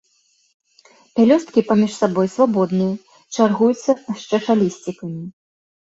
Пялёсткі паміж сабой свабодныя, чаргуюцца з чашалісцікамі.